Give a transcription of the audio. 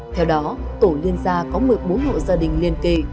theo đó tổ liên gia có một mươi bốn hộ gia đình liên kề